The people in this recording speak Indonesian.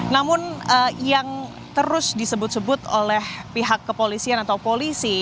namun yang terus disebut sebut oleh pihak kepolisian atau polisi